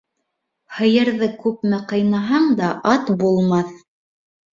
Һыйырҙы күпме ҡыйнаһаң да ат булмаҫ.